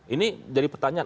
ini jadi pertanyaan